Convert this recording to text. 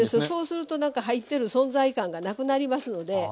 そうするとなんか入ってる存在感がなくなりますので。